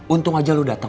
untung aja lu dateng